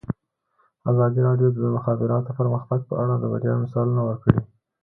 ازادي راډیو د د مخابراتو پرمختګ په اړه د بریاوو مثالونه ورکړي.